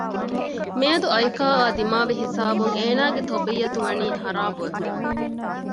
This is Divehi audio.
މިއަދު އައިކާއާ ދިމާވި ހިސާބުން އޭނާގެ ޠަބީއަތު ވަނީ ޚަރާބުވެފަ